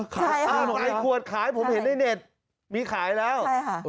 ไปขวดขายผมเห็นในเน็ตมีขายแล้ว